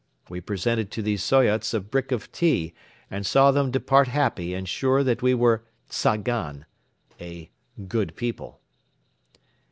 We presented to these Soyots a brick of tea and saw them depart happy and sure that we were "Tzagan," a "good people."